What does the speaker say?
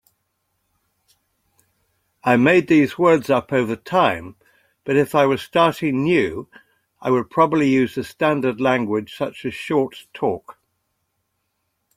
I made these words up over time, but if I were starting new I would probably use a standard language such as Short Talk.